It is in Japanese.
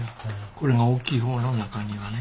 これが大きい方の中庭ね。